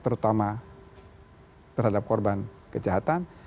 terutama terhadap korban kejahatan